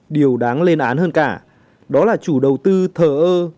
điều đáng lên án hơn cả đó là chủ đầu tư thờ ơ